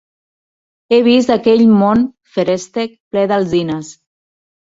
He vist aquell món feréstec ple d'alzines.